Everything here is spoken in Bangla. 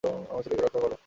আমার ছেলেকে রক্ষা কর!